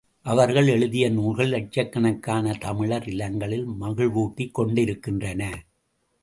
அவர்கள் எழுதிய நூல்கள் இலட்சக் கணக்கான தமிழர் இல்லங்களில் மகிழ்வூட்டிக் கொண்டிருக்கின்றன.